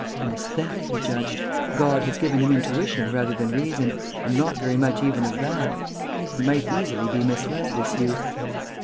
"An æsthete," he judged. "God has given him intuition rather than reason. And not very much even of that. He might easily be misled, this youth."